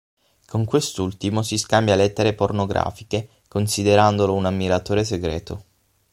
Con quest'ultimo si scambia lettere pornografiche, considerandolo un ammiratore segreto.